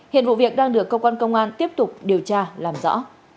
hiện vụ việc đang được cơ quan công an tiếp tục điều tra làm rõ